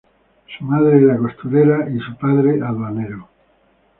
Su madre era costurera y su padre aduanero.